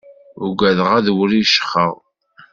Ugadeɣ ad wriccxeɣ.